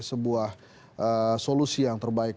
sebuah solusi yang terbaik